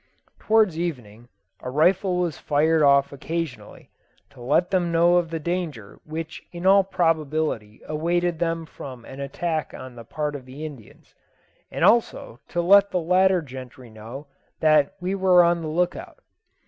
Towards evening, a rifle was fired off occasionally, to let them know of the danger which in all probability awaited them from an attack on the part of the Indians, and also to let the latter gentry know that we were on the look out.